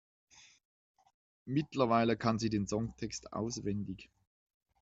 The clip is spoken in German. Mittlerweile kann sie den Songtext auswendig.